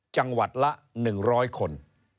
จังหวัดละ๑๐๐คน